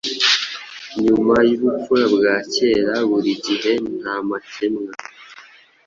Nyuma yubupfura bwa kera burigihe nta makemwa